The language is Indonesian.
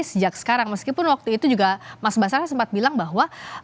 sejak sekarang meskipun waktu itu juga mas basara sempat bilang bahwa